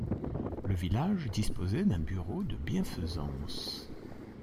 Le village disposait d'un bureau de bienfaisance.